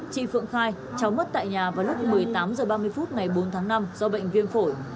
chị phượng khai cháu mất tại nhà vào lúc một mươi tám h ba mươi phút ngày bốn tháng năm do bệnh viêm phổi